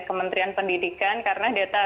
kementerian pendidikan karena data